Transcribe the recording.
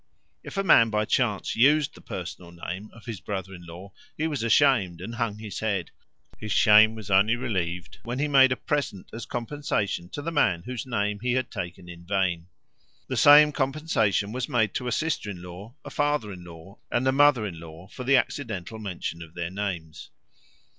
If a man by chance used the personal name of his brother in law, he was ashamed and hung his head. His shame was only relieved when he had made a present as compensation to the man whose name he had taken in vain. The same compensation was made to a sister in law, a father in law, and a mother in law for the accidental mention of their names.